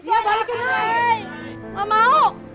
ya balikin nailah